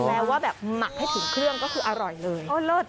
แม้ว่าแบบหมักให้ถึงเครื่องก็คืออร่อยเลยโอ้ยเลิศ